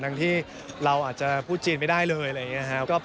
ดังที่เราอาจจะพูดจีนไม่ได้เลยเรื่องนี้ครับ